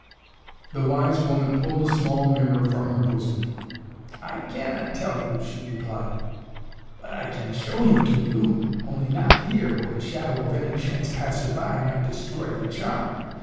The wise woman pulled a small mirror from her bosom. "I cannot tell you," she replied. "But I can show him to you. Only not here, where the shadow of any chance passer by might destroy the charm.